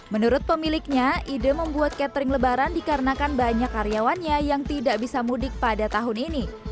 menurut pemiliknya ide membuat catering lebaran dikarenakan banyak karyawannya yang tidak bisa mudik pada tahun ini